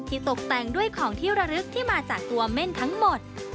ตกแต่งด้วยของที่ระลึกที่มาจากตัวเม่นทั้งหมด